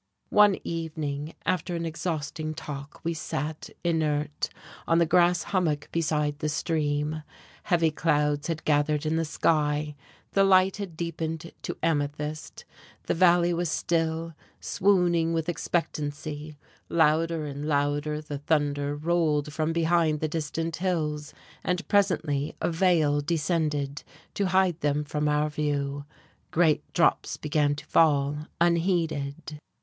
One evening after an exhausting talk we sat, inert, on the grass hummock beside the stream. Heavy clouds had gathered in the sky, the light had deepened to amethyst, the valley was still, swooning with expectancy, louder and louder the thunder rolled from behind the distant hills, and presently a veil descended to hide them from our view. Great drops began to fall, unheeded.